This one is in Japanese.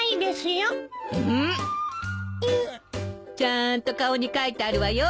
ちゃんと顔に書いてあるわよ。